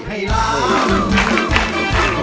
ให้ร้อง